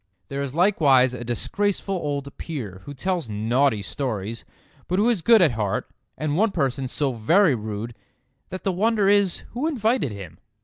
There is likewise a disgraceful old Peer who tells naughty stories, but who is good at heart; and one person so very rude that the wonder is who invited him.